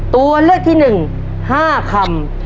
ตัวเลือกที่๑๕คำ